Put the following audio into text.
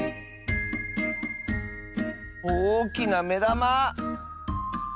おおきなめだま！